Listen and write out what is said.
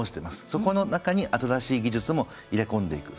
そこの中に新しい技術も入れ込んでいく。